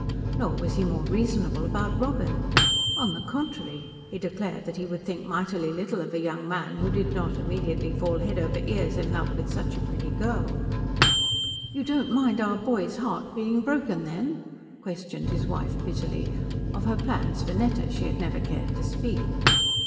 Nor was he more reasonable about Robin. On the contrary, he declared that he would think mightily little of a young man who did not immediately fall head over ears in love with such a pretty girl. "You don't mind our boy's heart being broken, then?" questioned his wife bitterly; of her plans for Netta she had never cared to speak.